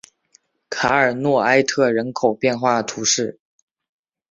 卡尔诺埃特人口变化图示